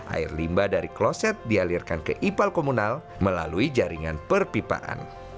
air limbah dari kloset dialirkan ke ipal komunal melalui jaringan perpipaan